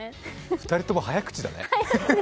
２人とも早口だね。